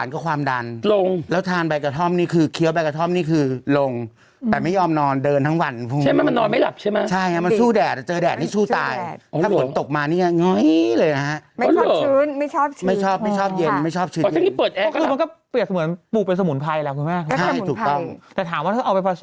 ก็ไม่ได้แม่กลี้มันทำให้หัวใจมันมีปัญหาปะ